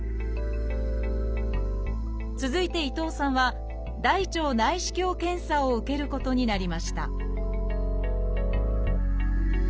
続いて伊藤さんは「大腸内視鏡検査」を受けることになりました